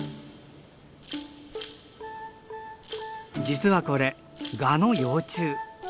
実はこれガの幼虫。